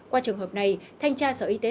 qua trường hợp này thanh tra sở y tế